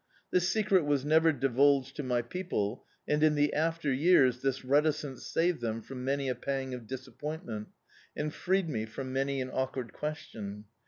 This secret was never divulged to my people, and, in the after years, this reticence saved them from many a pang of disappointment, and freed me from many an awkward question.